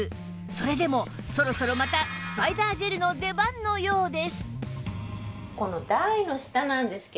それでもそろそろまたスパイダージェルの出番のようです